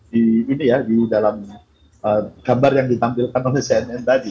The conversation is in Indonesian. di ini ya di dalam gambar yang ditampilkan oleh cnn tadi